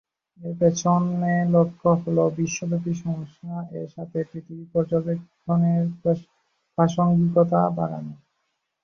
এর পেছনে লক্ষ্য হল বিশ্বব্যাপী সমস্যা এর সাথে পৃথিবী পর্যবেক্ষণের প্রাসঙ্গিকতা বাড়ানো।